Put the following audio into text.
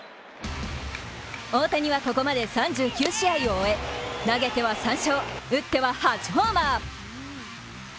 大谷はここまで３９試合を終え投げては３勝、打っては８ホーマー。